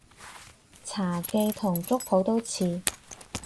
茶記同粥舖都似